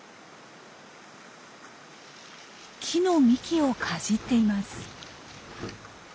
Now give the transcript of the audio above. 木の幹をかじっています。